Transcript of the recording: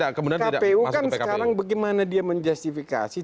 kpu kan sekarang bagaimana dia menjustifikasi